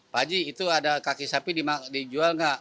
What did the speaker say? pak haji itu ada kaki sapi dijual nggak